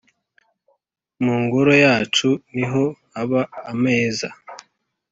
mu ngoro yacu niho haba ameza